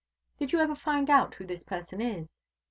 "Did you ever find out who this person is?"